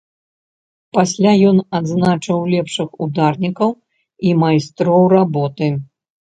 Пасля ён адзначыў лепшых ударнікаў і майстроў работы.